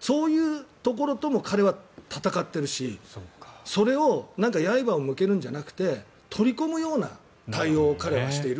そういうところとも彼は闘ってるしそれをやいばを向けるんじゃなくて取り込むような対応を彼はしている。